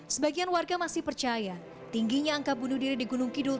sebagian warga masih percaya tingginya angka bunuh diri di gunung kidul